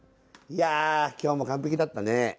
いや今日も完璧だったね。